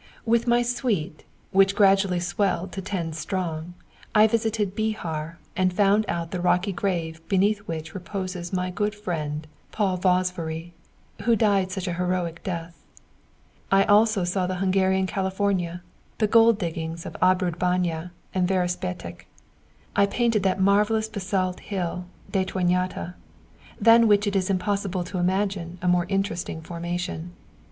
With my suite, which gradually swelled into ten strong, I visited Bihar, and found out the rocky grave beneath which reposes my good friend Paul Vasváry, who died such a heroic death. I also saw the Hungarian California, the gold diggings of Abrudbanya and Verespatak. I painted that marvellous basalt hill Detonátá, than which it is impossible to imagine a more interesting formation.